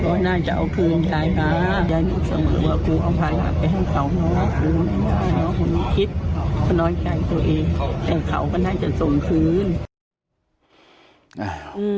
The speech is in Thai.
คุณน้อยใจตัวเองแต่เขาก็น่าจะส่งพื้น